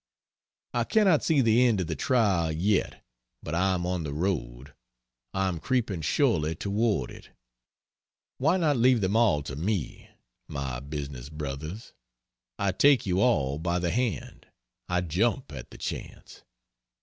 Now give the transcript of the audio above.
I cannot see the end of the Trial yet, but I am on the road. I am creeping surely toward it. "Why not leave them all to me." My business bothers? I take you by the hand! I jump at the chance!